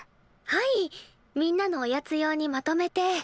はいみんなのおやつ用にまとめて。